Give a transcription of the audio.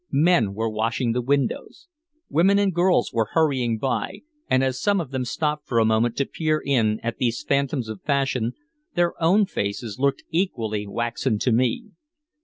Men were washing the windows. Women and girls were hurrying by, and as some of them stopped for a moment to peer in at these phantoms of fashion, their own faces looked equally waxen to me.